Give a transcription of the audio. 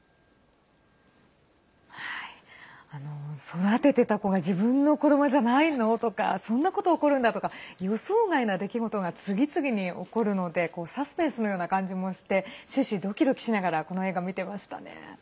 育ててた子が自分の子どもじゃないの？とかそんなこと起こるんだ！とか予想外な出来事が次々に起こるのでサスペンスのような感じもして終始ドキドキしながらこの映画、見てましたね。